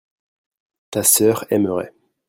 ta sœur aimerait.